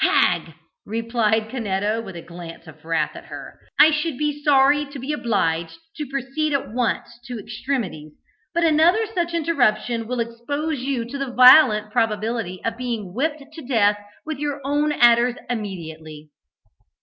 "Hag!" replied Canetto, with a glance of wrath at her, "I should be sorry to be obliged to proceed at once to extremities, but another such interruption will expose you to the violent probability of being whipped to death with your own adders immediately."